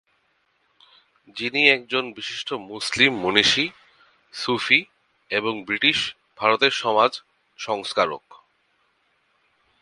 যিনি একজন বিশিষ্ট মুসলিম মনীষী, সুফি এবং ব্রিটিশ ভারতের সমাজ সংস্কারক।